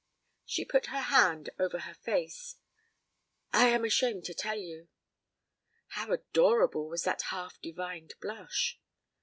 She put her hand over her face. 'I am ashamed to tell you.' How adorable was that half divined blush!